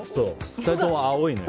２人とも青いのよ。